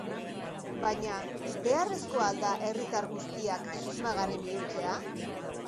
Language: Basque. Baina, beharrezkoa al da herritar guztiak susmagarri bihurtzea?